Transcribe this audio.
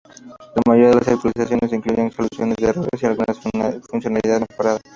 La mayoría de las actualizaciones incluyen soluciones de errores y alguna funcionalidad mejorada.